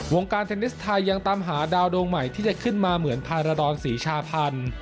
การเทนนิสไทยยังตามหาดาวดวงใหม่ที่จะขึ้นมาเหมือนภารดรศรีชาพันธ์